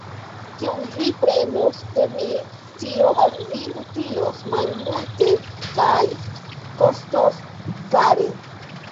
Kion vi prenos de mi, tio al vi utilos malmulte kaj kostos kare.